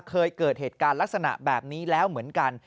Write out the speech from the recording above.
เคยเกิดเหตุการณ์ลักษณะแบบนี้แล้วเหมือนกัน